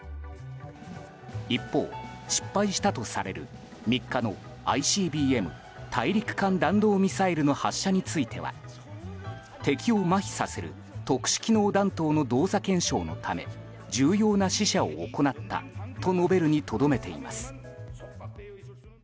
一方、失敗したとされる３日のＩＣＢＭ・大陸間弾道ミサイルの発射については敵をまひさせる特殊機能弾頭の動作検証のため重要な試射を行ったと述べるにとどめています。